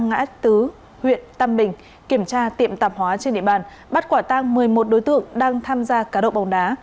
phòng cảnh sát hình sự công an xã ngã tứ huyện tâm bình kiểm tra tiệm tạp hóa trên địa bàn bắt quả tang một mươi một đối tượng đang tham gia cá đậu bóng đá